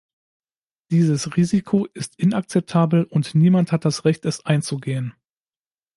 Dieses Risiko ist inakzeptabel und niemand hat das Recht es einzugehen.